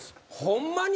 ホンマに？